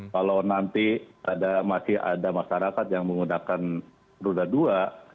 kalau nanti masih ada masyarakat yang menggunakan roda dua